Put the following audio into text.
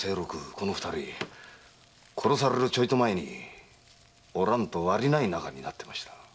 この二人殺されるちょいと前にお蘭と理無い仲になってました。